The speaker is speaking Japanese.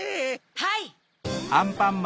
はい。